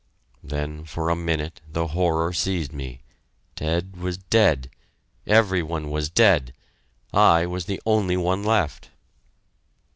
Then, for a minute, the horror seized me Ted was dead every one was dead I was the only one left!